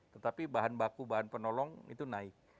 tetapi bahan baku bahan penolong itu naik